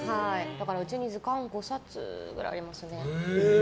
だからうちに図鑑５冊くらいありますね。